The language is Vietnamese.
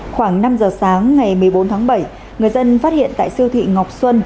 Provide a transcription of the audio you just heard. khoảng năm giờ sáng ngày một mươi bốn tháng bảy người dân phát hiện tại siêu thị ngọc xuân